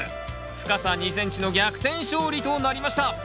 深さ２ｃｍの逆転勝利となりました！